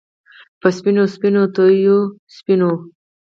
په سپینو، سپینو تتېو سپینو